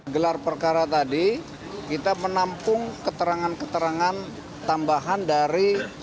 gelar perkara tadi kita menampung keterangan keterangan tambahan dari